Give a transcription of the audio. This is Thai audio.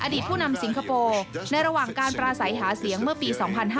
ผู้นำสิงคโปร์ในระหว่างการปราศัยหาเสียงเมื่อปี๒๕๕๙